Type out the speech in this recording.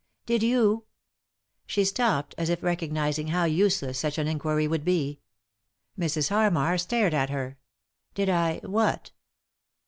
" Did you ?" She stopped, as if recognising how useless such an inquiry would be. Mrs. Harmar stared at her. " Did I— what